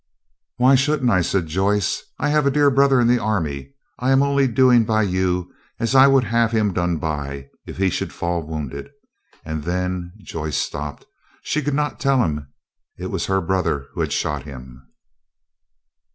"Why shouldn't I?" said Joyce; "I have a dear brother in the army. I am only doing by you as I would have him done by, if he should fall wounded. And then—" Joyce stopped; she could not tell him it was her brother who had shot him.